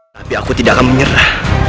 tapi aku tidak akan menyerah